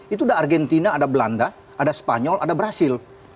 itu ada argentina ada belanda ada spanyol ada brazil